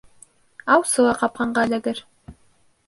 Аусы ла ҡапҡанға эләгер.